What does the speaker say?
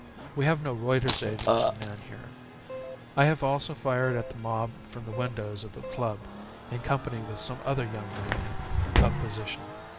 We have no Reuter's agency man here. I have also fired at the mob from the windows of the club, in company with some other young men of position.